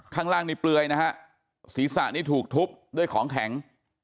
ข้างล่างนี่เปลือยนะฮะศีรษะนี่ถูกทุบด้วยของแข็ง